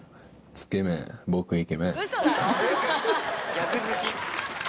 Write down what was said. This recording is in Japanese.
ギャグ好き？